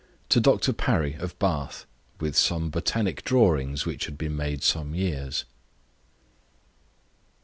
TO DR PARRY OF BATH. With some botanic drawings which had been made some years.